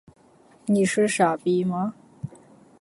你是傻逼吗？